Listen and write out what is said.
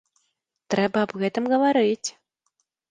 Трэба аб гэтым гаварыць.